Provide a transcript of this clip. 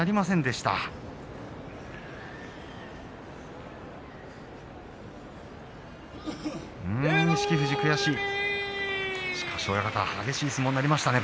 しかし親方激しい相撲でしたね。